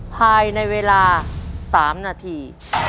ภายในเวลา๓นาที